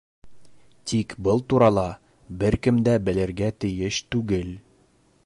Тик был турала бер кем дә белергә тейеш түгел.